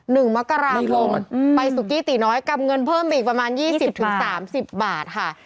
หนึ่งมะกะรามพงษ์ไปสุกี้ตีน้อยกรรมเงินเพิ่มไปอีกประมาณ๒๐๓๐บาทค่ะ